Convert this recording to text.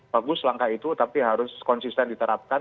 bagus langkah itu tapi harus konsisten diterapkan